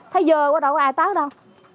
thấy dơ quá đâu có ai tới đâu